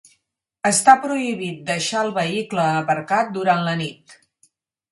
Està prohibit deixar el vehicle aparcat durant la nit.